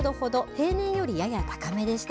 平年よりやや高めでした。